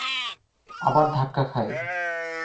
আবার ধাক্কা খাই।